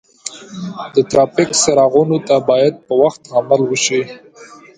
د ترافیک څراغونو ته باید په وخت عمل وشي.